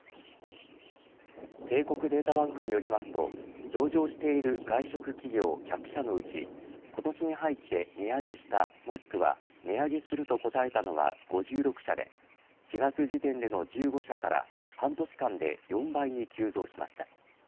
帝国データバンクによりますと上場している外食企業１００社のうち今年に入って値上げしたもしくは値上げすると答えたのは５６社で４月時点での１５社から半年間で４倍に急増しました。